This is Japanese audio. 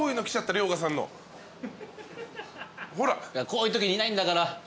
こういうときにいないんだから。